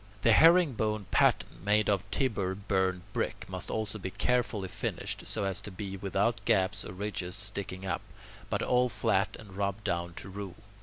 The herring bone pattern, made of Tibur burnt brick, must also be carefully finished, so as to be without gaps or ridges sticking up, but all flat and rubbed down to rule.